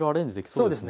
そうですね。